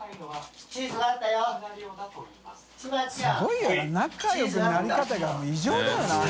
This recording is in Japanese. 垢瓦い茲仲よくなり方が異常だよな。